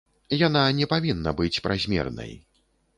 Яна не павінна быць празмернай.